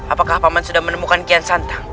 apakah paman sudah menemukan kian santang